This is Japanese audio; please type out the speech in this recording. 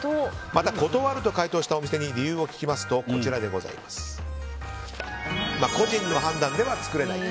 また、断ると回答したお店に理由を聞きますと個人の判断では作れない。